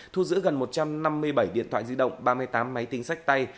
thu giữ gần một trăm năm mươi bảy điện thoại di động ba mươi tám máy tính sách tay